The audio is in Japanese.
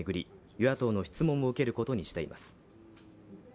与野党の質問を受けることにしています。